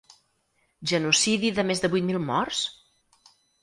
Genocidi de més de vuit mil morts?